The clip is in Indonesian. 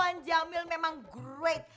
wan jamil memang great